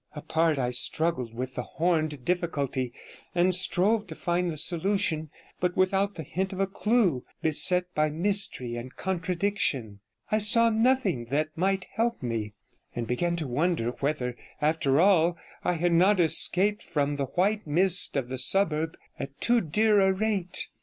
Apart, I struggled with the horned difficulty, and strove to find the solution; but without the hint of a clue, beset by mystery and contradiction. I saw nothing that might help me, and began to wonder whether, after all, I had not escaped from the white mist of the suburb at too dear a rate.